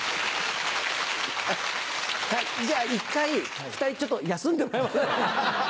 じゃあ一回２人ちょっと休んでもらえます？